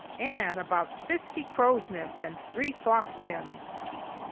And aboot fifty craw's nests and three fox dens."